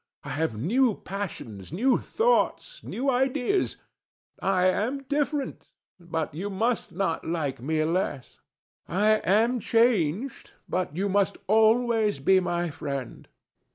I have new passions, new thoughts, new ideas. I am different, but you must not like me less. I am changed, but you must always be my friend.